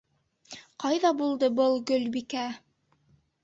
Ҡайҙа булды был Гөлбикә?